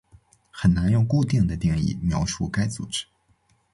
很难用固定的定义描述该组织。